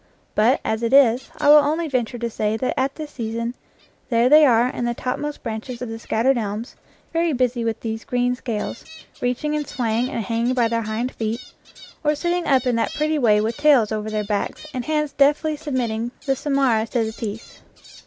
But, as it is, I will only venture to say that at this season there they are in the topmost branches of the scattered elms, very busy with these green scales, reaching and swaying and hanging by their hind feet, or sitting up in that pretty way with tails over backs and hands deftly submitting the samara to the teeth.